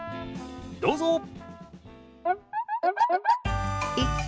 どうぞ！